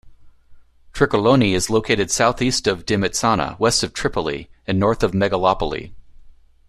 Trikolonoi is located southeast of Dimitsana, west of Tripoli and north of Megalopoli.